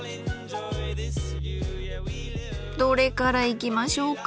どれからいきましょうか。